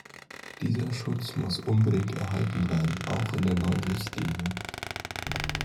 Dieser Schutz muss unbedingt erhalten bleiben, auch in der neuen Richtlinie.